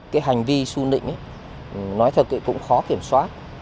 cái hành vi su nịnh nói thật thì cũng khó kiểm soát